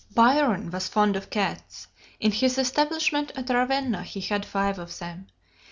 Byron was fond of cats: in his establishment at Ravenna he had five of them.